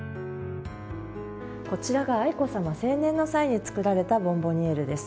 こちらが愛子さま成年の際に作られたボンボニエールです。